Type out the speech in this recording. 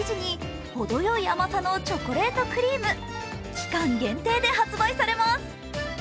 期間限定で発売されます。